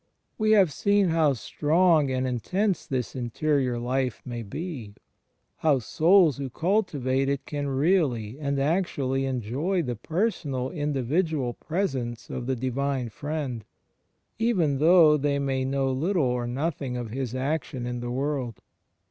We have seen how strong and intense this interior life may be; how souls who cultivate it can really and actually enjoy the personal individual Pres ence of the Divine Friend, even though they may know little or nothing of His action in the world.